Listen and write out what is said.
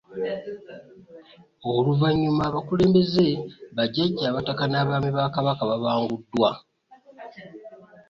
Oluvannyuma abakulembeze, bajjajja abataka n'abaami ba Kabaka babanguddwa